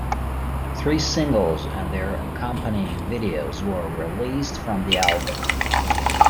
Three singles and their accompanying videos were released from the album.